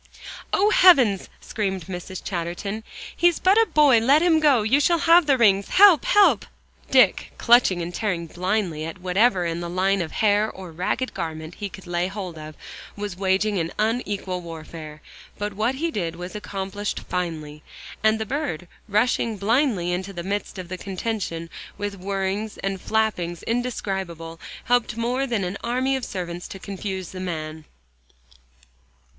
"O heavens!" screamed Mrs. Chatterton. "He's but a boy, let him go. You shall have the rings. Help help!" Dick, clutching and tearing blindly at whatever in the line of hair or ragged garment he could lay hold of, was waging an unequal warfare. But what he did was accomplished finely. And the bird, rushing blindly into the midst of the contention, with whirrings and flappings indescribable, helped more than an army of servants, to confuse the man.